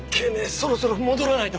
そろそろ戻らないと。